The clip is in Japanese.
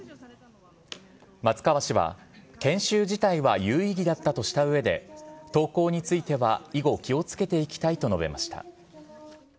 松川氏は研修自体は有意義だったとしたうえで、投稿については、以後、気をつけていきたいと述べました。